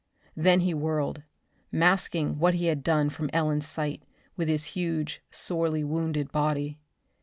Then he whirled, masking what he had done from Ellen's sight with his huge, sorely wounded body.